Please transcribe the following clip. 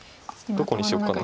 どこにしようかな。